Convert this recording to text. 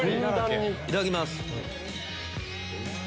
いただきます。